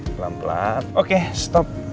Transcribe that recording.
pelan pelan oke stop